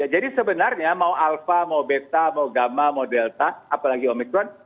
jadi sebenarnya mau alpha mau beta mau gamma mau delta apalagi omicron